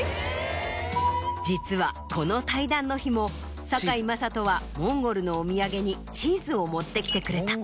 実はこの対談の日も堺雅人はモンゴルのお土産にチーズを持ってきてくれた。